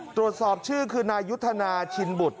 ตรวจสอบชื่อคือนายุทธนาชินบุตร